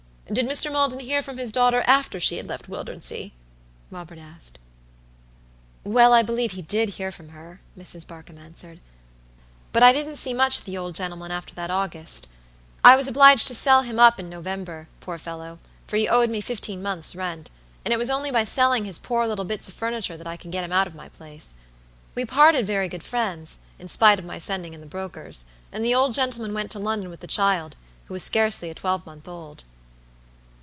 "Did Mr. Maldon hear from his daughter after she had left Wildernsea?" Robert asked. "Well, I believe he did hear from her," Mrs. Barkamb answered; "but I didn't see much of the old gentleman after that August. I was obliged to sell him up in November, poor fellow, for he owed me fifteen months' rent; and it was only by selling his poor little bits of furniture that I could get him out of my place. We parted very good friends, in spite of my sending in the brokers; and the old gentleman went to London with the child, who was scarcely a twelvemonth old."